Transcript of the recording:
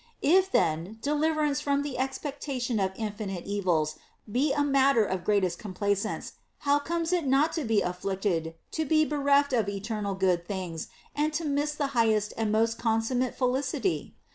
If then deliverance from the ex pectation of infinite evils be a matter of greatest compla cence, how comes it not to be afflictive to be bereft of eternal good things and to miss of the highest and most consummate felicity'?